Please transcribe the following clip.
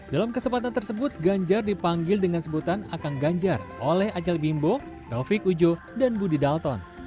dalam kesempatan tersebut ganjar dipanggil dengan sebutan akang ganjar oleh acel bimbo taufik ujo dan budi dalton